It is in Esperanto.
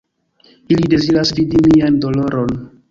Ili deziras vidi mian doloron.